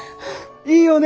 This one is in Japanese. いいよね？